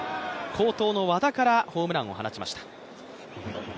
好投の和田からホームランを放ちました。